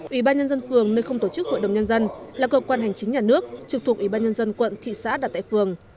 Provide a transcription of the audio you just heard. ủy ban nhân dân phường nơi không tổ chức hội đồng nhân dân là cơ quan hành chính nhà nước trực thuộc ủy ban nhân dân quận thị xã đặt tại phường